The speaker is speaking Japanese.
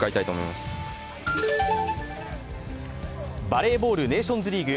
バレーボール、ネーションズリーグ。